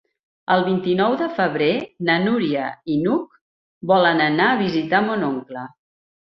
El vint-i-nou de febrer na Núria i n'Hug volen anar a visitar mon oncle.